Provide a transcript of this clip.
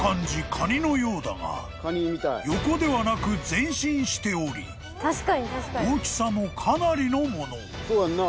カニのようだが横ではなく前進しており大きさもかなりのもの］